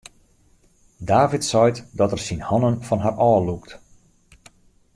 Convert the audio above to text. David seit dat er syn hannen fan har ôflûkt.